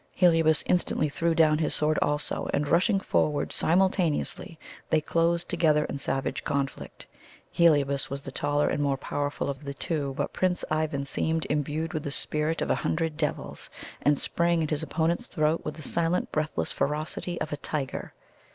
Heliobas instantly threw down his sword also, and rushing forward simultaneously, they closed together in savage conflict. Heliobas was the taller and more powerful of the two, but Prince Ivan seemed imbued with the spirit of a hundred devils, and sprang at his opponent's throat with the silent breathless ferocity of a tiger.